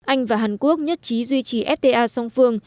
anh và hàn quốc nhất trí duy trì fta song phương